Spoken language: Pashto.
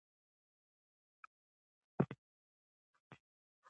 ماري کوري د تجربې پایله ثبت نه کړه؟